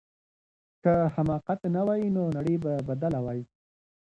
که حماقت نه وای نو نړۍ به بدله وای.